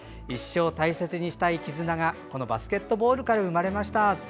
一生大切にしたい絆がこのバスケットボールから生まれました。